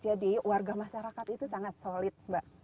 jadi warga masyarakat itu sangat solid mbak